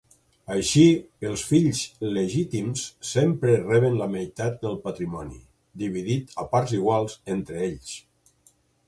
Així, els fills legítims sempre reben la meitat del patrimoni, dividit a parts iguals entre ells.